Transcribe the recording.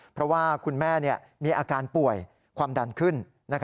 เพราะว่าคุณแม่มีอาการป่วยความดันขึ้น